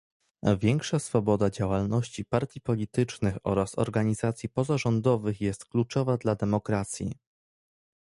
Większa swoboda działalności partii politycznych oraz organizacji pozarządowych jest kluczowa dla demokracji